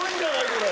これ。